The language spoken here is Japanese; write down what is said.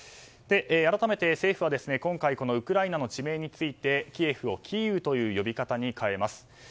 改めて、政府は今回ウクライナの地名についてキエフをキーウという呼び方に変えます。